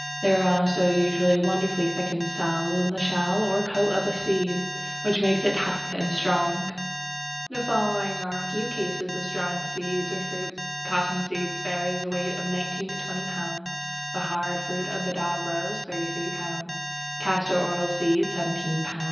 There are also usually wonderfully thickened cells in the shell or coat of a seed, which makes it tough and strong. The following are a few cases of strong seeds or fruits: Cotton seed bears a weight of 19 to 20 lb.; the hard fruits of the Dogrose, 33 lb.; Castor oil seed, 17 lb.